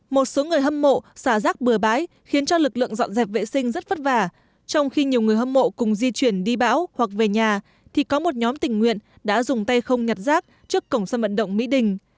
một số người hâm mộ xả rác bừa bãi khiến cho lực lượng dọn dẹp vệ sinh rất vất vả trong khi nhiều người hâm mộ cùng di chuyển đi bão hoặc về nhà thì có một nhóm tình nguyện đã dùng tay không nhặt rác trước cổng sân vận động mỹ đình